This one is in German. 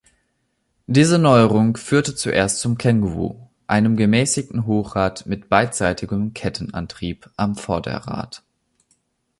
Diese Neuerung führte zuerst zum „Kangaroo“, einem gemäßigten Hochrad mit beidseitigem Kettenantrieb am Vorderrad.